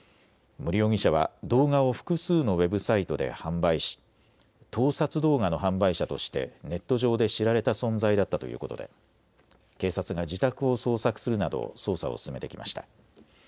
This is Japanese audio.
森容疑者は動画を複数のウェブサイトで販売し盗撮動画の販売者としてネット上で知られた存在だったということで警察が自宅を捜索するなど捜査を進めてきました。